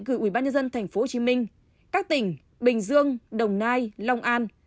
gửi ủy ban nhân dân tp hcm các tỉnh bình dương đồng nai long an